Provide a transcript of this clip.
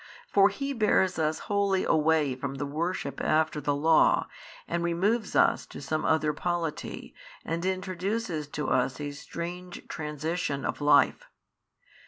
For He bears us wholly away from the worship after the Law and removes us to some other polity and introduces to us a strange transition of life.